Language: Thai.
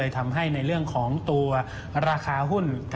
ทำให้ในเรื่องของตัวราคาหุ้น